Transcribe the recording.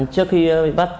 trước khi bắt tuyến